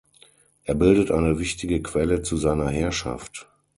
Er bildet eine wichtige Quelle zu seiner Herrschaft.